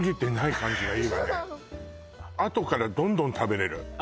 あとからどんどん食べれる